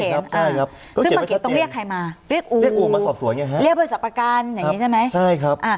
ซึ่งบังเขนต้องเรียกใครมาเรียกอู๋เรียกบริษัทประกันอย่างนี้ใช่ไหม